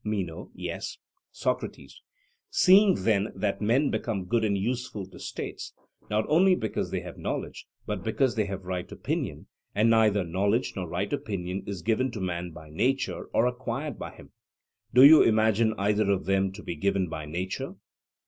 MENO: Yes. SOCRATES: Seeing then that men become good and useful to states, not only because they have knowledge, but because they have right opinion, and that neither knowledge nor right opinion is given to man by nature or acquired by him (do you imagine either of them to be given by nature?